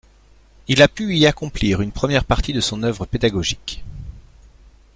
Il a pu y accomplir une première partie de son œuvre pédagogique.